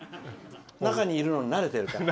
中にいるの慣れてるから。